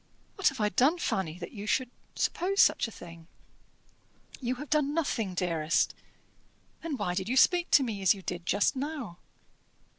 What have I done, Fanny, that you should suppose such a thing?" "You have done nothing, dearest." "Then why did you speak as you did just now?"